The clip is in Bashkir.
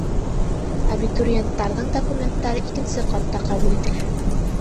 Абитуриенттарҙың документтары икенсе ҡатта ҡабул ителә